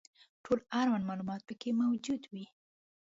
ټول اړوند معلومات پکې موجود وي.